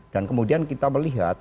dan kemudian kita melihat